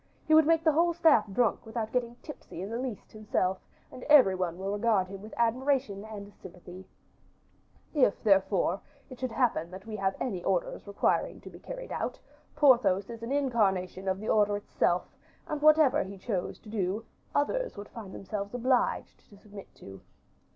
He would make the whole staff drunk, without getting tipsy in the least himself, and every one will regard him with admiration and sympathy; if, therefore, it should happen that we have any orders requiring to be carried out, Porthos is an incarnation of the order itself, and whatever he chose to do others would find themselves obliged to submit to."